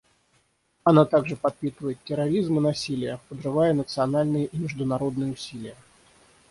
Она также подпитывает терроризм и насилие, подрывая национальные и международные усилия.